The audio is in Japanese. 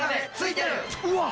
うわっ！